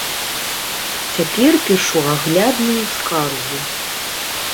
Цяпер пішу аглядную скаргу.